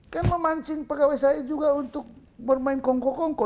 kan memancing pegawai saya juga untuk bermain kongko kongko